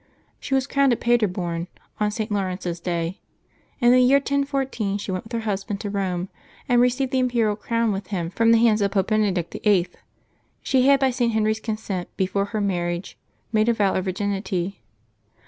She was crowned at Paderborn on St. Laurence's day. In the year 1014 she went with her hus band to Pome, and received the imperial crown with him from the hands of Pope Benedict YIII. She had, by St. Henry's consent, before her marriage made a vow of vir ginity.